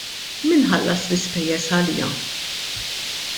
Min ħallas l-ispejjeż għaliha?